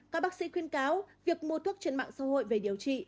các bác sĩ khuyên cáo việc mua thuốc trên mạng xã hội về điều trị